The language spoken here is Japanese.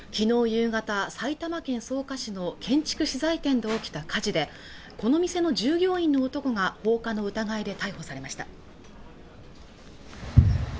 夕方埼玉県草加市の建築資材店で起きた火事でこの店の従業員の男が放火の疑いで逮捕されました